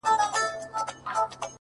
که مړ سوم نو ومنه-